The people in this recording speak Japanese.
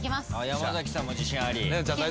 山崎さんも自信あり。